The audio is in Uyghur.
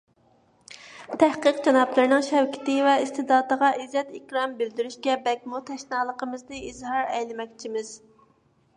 تەھقىق جانابلىرىنىڭ شەۋكىتى ۋە ئىستېداتىغا ئىززەت - ئىكرام بىلدۈرۈشكە بەكمۇ تەشنالىقىمىزنى ئىزھار ئەيلىمەكچىمىز.